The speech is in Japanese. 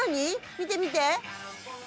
見て見て。